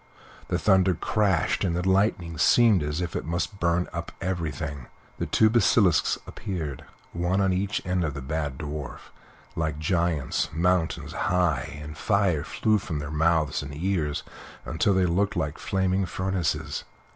The thunder crashed, and the lightning seemed as if it must burn up everything; the two basilisks appeared, one on each side of the bad Dwarf, like giants, mountains high, and fire flew from their mouths and ears, until they looked like flaming furnaces.